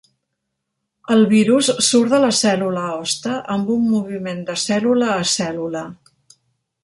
El virus surt de la cèl·lula hoste amb un moviment de cèl·lula a cèl·lula.